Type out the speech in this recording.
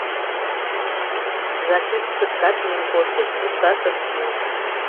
Зачисткышкат миен коштыч, туштат ышт му.